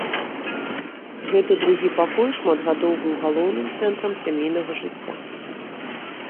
Гэты другі пакой шмат гадоў быў галоўным цэнтрам сямейнага жыцця.